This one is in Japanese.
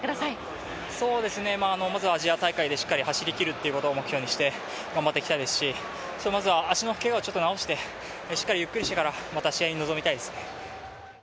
まずはアジア大会でしっかり走りきるということを目標にして頑張っていきたいですし、足のけがをまずは治してしっかりゆっくりしてから、また試合に臨みたいです。